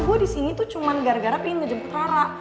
gue disini tuh cuma gara gara pengen ngejemput rara